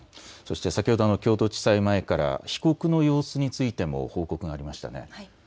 先ほど京都地裁前から被告の様子についても報告がありましたね。